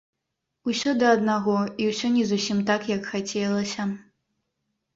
Усё да аднаго, і ўсё не зусім так, як хацелася.